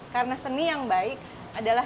karena seni yang baik adalah